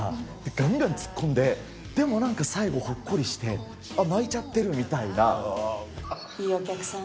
がんがん突っ込んで、でもなんか最後ほっこりして、泣いちゃっていいお客さん。